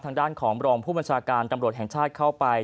ทางด้านของรองผู้บัญชาการตำรวจแห่งชาติเข้าไป